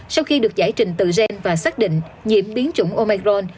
sau khi được giải trình từ gen và xác định nhiễm biến chủng omiron